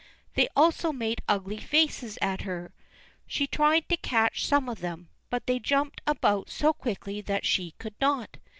They also made ugly faces at her. She tried to catch some of them, but they jumped about so quickly that she could not.